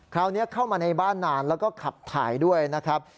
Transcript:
คราวนี้เข้ามาในบ้านนานแล้วก็ขับถ่ายด้วยนะครับ